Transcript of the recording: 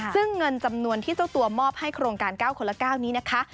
ซึ่งเงินจำนวนที่เจ้าตัวมอบให้โครงการ๙คนละ๙นี้นะคะ